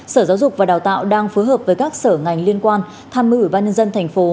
sở giáo dục và đào tạo đang phối hợp với các sở ngành liên quan tham mưu ủy ban nhân dân thành phố